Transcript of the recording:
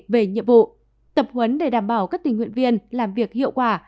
về nhiệm vụ tập huấn để đảm bảo các tình nguyện viên làm việc hiệu quả